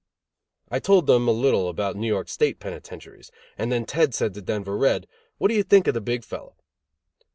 I told them a little about New York State penitentiaries, and then Ted said to Denver Red: "What do you think of the big fellow?"